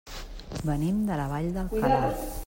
Venim de la Vall d'Alcalà.